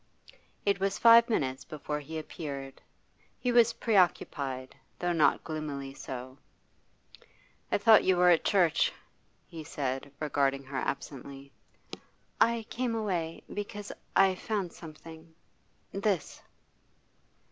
It was five minutes before he appeared. He was preoccupied, though not gloomily so. 'I thought you were at church,' he said, regarding her absently. 'I came away because I found something this!